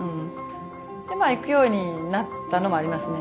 で行くようになったのもありますね